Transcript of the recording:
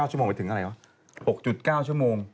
ชั่วโมงไปถึงอะไรวะ๖๙ชั่วโมง